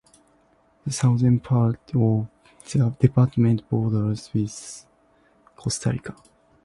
The southern part of the department borders with Costa Rica.